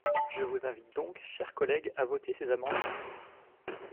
Je vous invite donc, chers collègues, à voter ces amendements.